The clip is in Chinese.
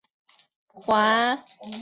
环境食物局唯一一任局长为任关佩英。